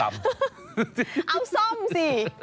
เอาส้มสิ